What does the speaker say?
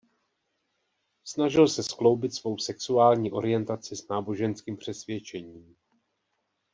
Snažil se skloubit svou sexuální orientaci s náboženským přesvědčením.